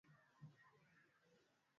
mimi sifikirii